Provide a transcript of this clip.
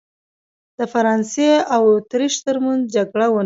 د فرانسې او اتریش ترمنځ جګړه ونښته.